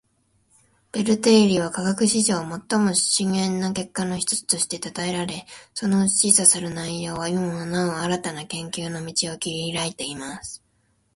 ベル定理は科学史上最も深遠な結果の一つとして讃えられ，その示唆する内容は今もなお新たな研究の道を切り拓いています．